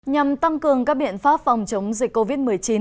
nhằm tăng cường các biện pháp phòng chống dịch covid một mươi chín